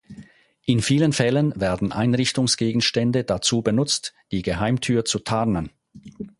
In vielen Fällen werden Einrichtungsgegenstände dazu benutzt, die Geheimtür zu tarnen.